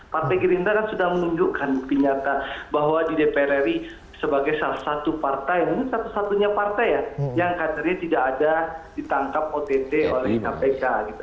partai gerindra kan sudah menunjukkan bukti nyata bahwa di dpr ri sebagai salah satu partai mungkin satu satunya partai ya yang kadernya tidak ada ditangkap ott oleh kpk gitu